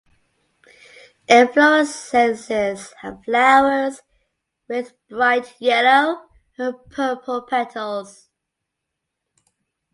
Inflorescences have flowers with bright yellow and purple petals.